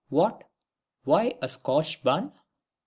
What? Why, a Scotch Bun!"